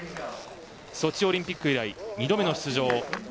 ソチオリンピック以来２度目の出場。